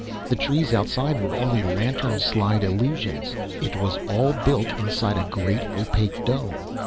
The trees outside were only lantern slide illusions. It was all built inside a great, opaque dome.